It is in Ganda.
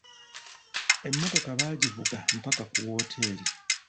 Emmotoka baagivuga mpaka ku wooteri.